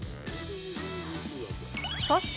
そして